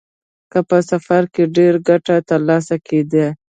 که په سفر کې ډېره ګټه ترلاسه کېده